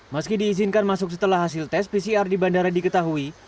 meski diizinkan masuk setelah hasil tes pcr di bandara diketahui